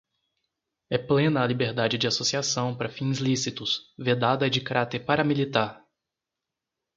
é plena a liberdade de associação para fins lícitos, vedada a de caráter paramilitar;